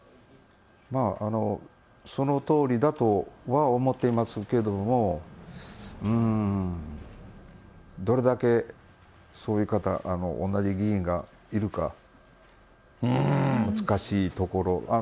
そのとおりだとは思っていますけども、どれだけそういう方、同じ議員がいるか、難しいところ。